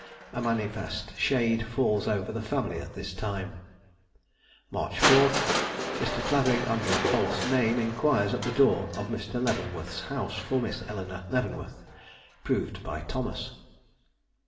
A manifest shade falls over the family at this time. "March 4. Mr. Clavering under a false name inquires at the door of Mr. Leavenworth's house for Miss Eleanore Leavenworth. _Proved by Thomas.